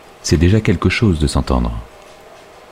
C’est déjà quelque chose de s’entendre!